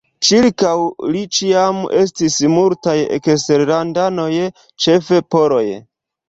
Ĉirkaŭ li ĉiam estis multaj eksterlandanoj, ĉefe poloj.